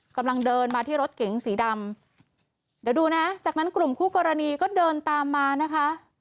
กำลังเดินมาที่รถเก๋งสีดำเดี๋ยวดูนะจากนั้นกลุ่มคู่กรณีก็เดินตามมานะคะ